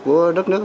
của đất nước